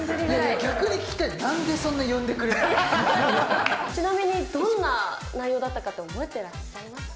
逆に聞きたい、なんでそんなちなみに、どんな内容だったかって覚えてらっしゃいますか？